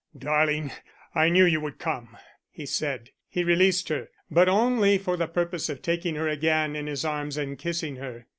"Darling, I knew you would come," he said. He released her, but only for the purpose of taking her again in his arms and kissing her.